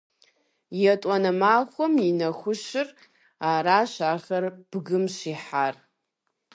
ЕтӀуанэ махуэм и нэхущыр аращ ахэр бгым щихьар.